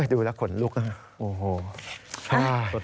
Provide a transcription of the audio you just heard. ดูแล้วขนลุกนะโอ้โห